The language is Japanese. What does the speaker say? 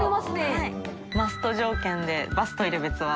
鵝はいマスト条件でバス・トイレ別は。